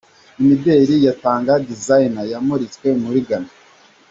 Imideli ya Tanga Designs yamuritswe muri Ghana.